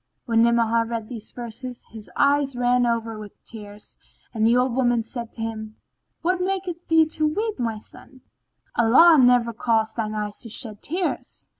"[FN#16] When Ni'amah read these verses, his eyes ran over with tears and the old woman said to him, "What maketh thee to weep, O my son? Allah never cause thine eye to shed tears!"